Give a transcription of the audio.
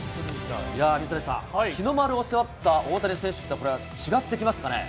いやー、水谷さん、日の丸を背負った大谷選手って、これ、違ってきますかね。